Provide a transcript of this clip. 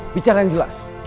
bicara yang jelas